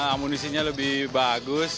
amunisinya lebih bagus